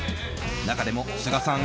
中でも須賀さん